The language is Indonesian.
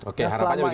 oke harapannya begitu